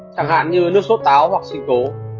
chẳng hạn như nước sốt táo hoặc xương tố